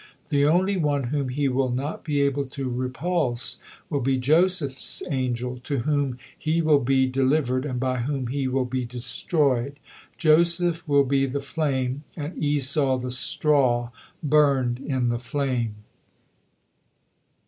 The only one whom he will not be able to repulse will be Joseph's angel, to whom he will be delivered and by whom he will be destroyed; Joseph will b the flame and Esau the straw burned in the flame.